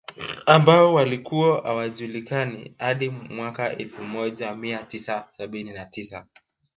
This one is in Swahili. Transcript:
Ambao walikuwa hawajulikani hadi mwaka Elfu moja mia tisa sabini na tisa